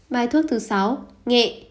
bài thuốc thứ sáu nghệ